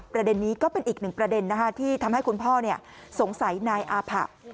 ประเด็นนี้ก็เป็นอีกหนึ่งประเด็นที่ทำให้คุณพ่อสงสัยนายอาผะ